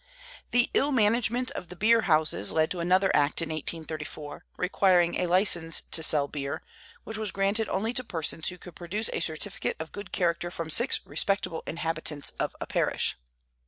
The ill management of the beer houses led to another act in 1834, requiring a license to sell beer, which was granted only to persons who could produce a certificate of good character from six respectable inhabitants of a parish.